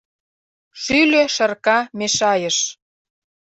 Шӱльӧ шырка мешайыш.